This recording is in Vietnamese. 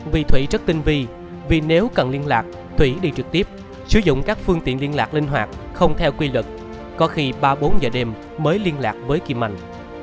vì thủy rất tinh vi vì nếu cần liên lạc thủy đi trực tiếp sử dụng các phương tiện liên lạc linh hoạt không theo quy luật có khi ba bốn giờ đêm mới liên lạc với kim anh